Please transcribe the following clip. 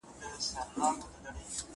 د کورنۍ دننه مهارت څنګه پاته کيده؟